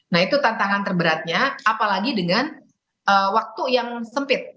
nah itu tantangan terberatnya apalagi dengan waktu yang sempit